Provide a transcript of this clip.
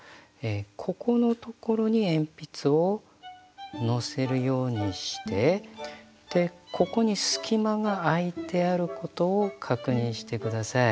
ここのところに鉛筆をのせるようにしてここに隙間が空いてあることを確認して下さい。